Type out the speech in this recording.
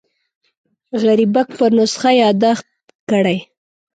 غریبک پر نسخه یاداښت کړی.